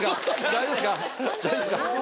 大丈夫ですか？